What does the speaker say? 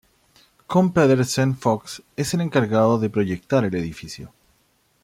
Kohn Pedersen Fox es el encargado de proyectar el edificio.